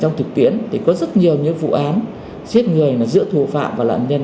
trong thời gian vừa qua có rất nhiều vụ án giết người giữa thù phạm và nạn nhân